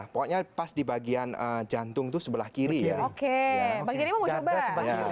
pokoknya pas di bagian jantung itu sebelah kiri ya riki